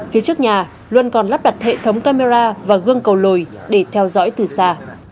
phía trước nhà luôn còn lắp đặt hệ thống camera và gương cầu lồi để theo dõi từ xa